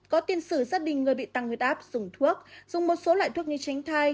có tiên sử gia đình người bị tăng huyết áp dùng thuốc dùng một số loại thuốc như tránh thai